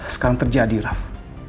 sekarang terjadi raff